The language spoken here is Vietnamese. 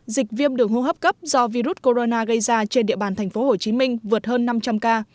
dịch viêm đường hô hấp cấp do virus corona gây ra trên địa bàn tp hcm vượt hơn năm trăm linh ca